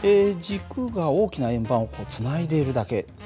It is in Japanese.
軸が大きな円盤をつないでいるだけ。